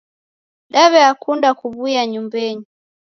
Naw'eakunda kuw'uya nyumbenyi.